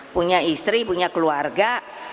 punya istri punya keluarga